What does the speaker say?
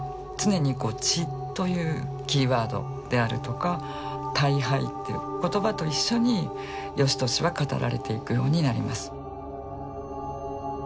常にこう血というキーワードであるとか退廃っていう言葉と一緒に芳年は語られていくようになります。